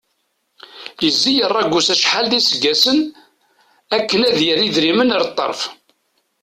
Izeyyeṛ agus acḥal d iseggasen akken ad yerr idrimen ar ṭṭerf.